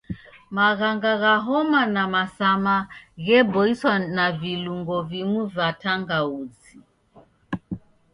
Maghanga gha homa na masama gheboiswa na vilungo vimu va tangauzi.